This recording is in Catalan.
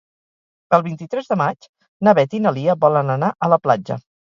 El vint-i-tres de maig na Beth i na Lia volen anar a la platja.